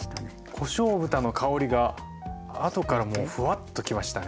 こしょう豚の香りがあとからもうフワッときましたね。